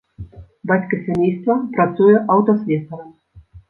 Бацька сямейства працуе аўтаслесарам.